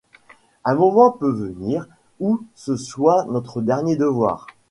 Un moment peut venir où ce soit notre premier devoir.